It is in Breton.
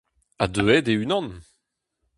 Ha deuet e-unan !